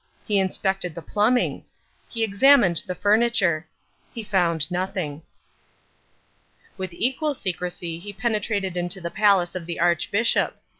He inspected the plumbing. He examined the furniture. He found nothing. With equal secrecy he penetrated into the palace of the Archbishop.